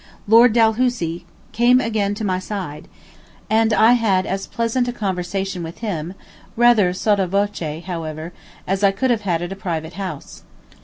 Lord Dalhousie came again to my side and I had as pleasant a conversation with him, rather sotto voce, however, as I could have had at a private house.